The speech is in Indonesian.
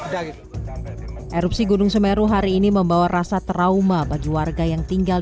selesai yang ngalir itu erupsi gunung sumeru hari ini membawa rasa trauma bagi warga yang tinggal